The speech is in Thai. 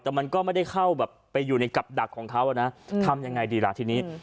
แต่มันก็ไม่ได้เข้าแบบไปอยู่ในกับดักของเขานะทำยังไงดีล่ะทีนี้